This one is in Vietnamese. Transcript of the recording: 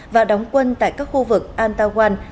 và đóng quân tại các khu vực antawan